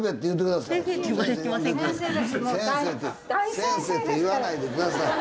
先生て言わないで下さい。